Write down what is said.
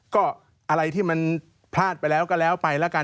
ก็อะไรที่มันพลาดไปแล้วก็แล้วไปแล้วกัน